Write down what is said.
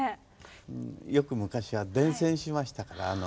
よく昔は伝線しましたから。